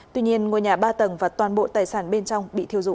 tuy nhiên ngôi nhà ba tầng và toàn bộ tài sản bên trong bị thiêu rụi